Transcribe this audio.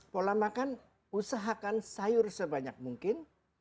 pola makan usahakan sayur sebanyak mungkin